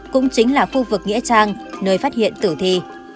cũng chính là khu vực nghĩa trang nơi phát hiện tử thi